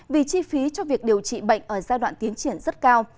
vì chi phí cho việc điều trị bệnh ở giai đoạn tiến triển rất cao